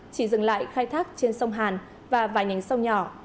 chỉ dừng lại khai thác trên sông hàn và vài nhánh sông nhỏ